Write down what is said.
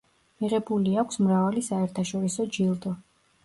მიღებული აქვს მრავალი საერთაშორისო ჯილდო.